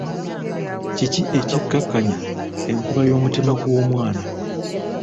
Kiki ekiikakkanya enkuba y'omutima gw'omwana?